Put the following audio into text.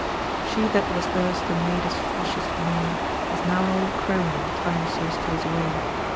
She that was erst a maid as fresh as May, Is now an old crone, time so steals away.